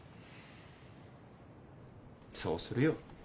そうするよ。